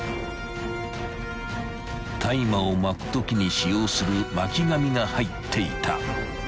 ［大麻を巻くときに使用する巻紙が入っていた］